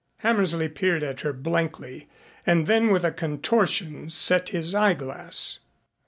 Hammersley peered at her blankly and then with a contortion set his eyeglass.